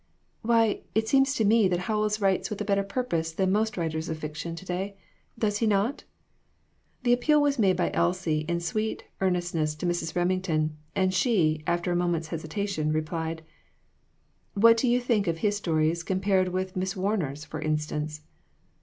"Why, it seems to me that Howells writes with a better purpose than most writers of fiction to day, does he not ?" The appeal was made by Elsie in sweet ear nestness to Mrs. Remington, and she, after a moment's hesitation, replied "What do you think of his stories compared with Miss Warner's, for instance?"